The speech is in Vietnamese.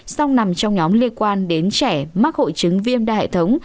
song nằm trong nhóm liên quan đến trẻ mắc hội chứng viêm đa hệ thống